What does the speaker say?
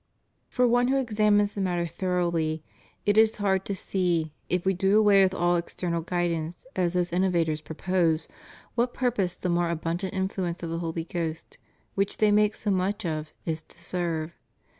For one who examines the matter thoroughly, it is hard to see, if we do away with all external guidance as these innovators propose, what purpose the more abundant in fluence of the Holy Ghost, which they make so much of, is to serve.